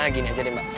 gini aja deh mbak